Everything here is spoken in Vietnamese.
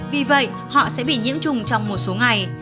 vì vậy họ sẽ bị nhiễm trùng trong một số ngày